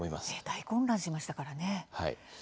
大混乱しましたからね。